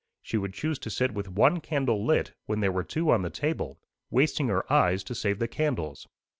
She would choose to sit with one candle lit when there were two on the table, wasting her eyes to save the candles.